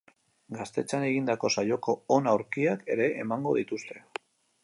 Gaztetxean egindako saioko on aurkiak ere emango dituzte.